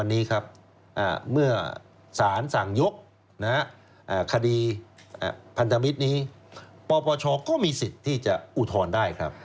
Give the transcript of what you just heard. และข้าดีพันธมิตรนี้ปปชก็มีสิทธิ์ที่จะอุทธรณ์ได้ครับ